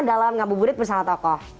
dalam ngabubudit bersama tokoh